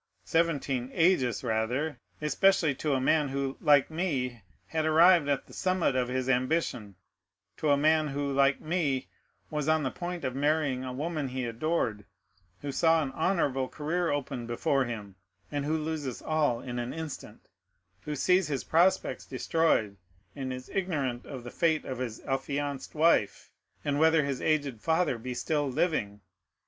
—seventeen ages rather, especially to a man who, like me, had arrived at the summit of his ambition—to a man, who, like me, was on the point of marrying a woman he adored, who saw an honorable career opened before him, and who loses all in an instant—who sees his prospects destroyed, and is ignorant of the fate of his affianced wife, and whether his aged father be still living!